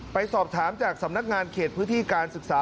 ไปสอบถามจากสำนักงานเขตพฤษฎภาษฎา